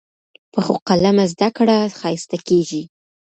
پخو قلمه زده کړه ښایسته کېږي